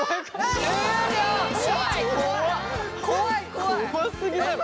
怖すぎだよ。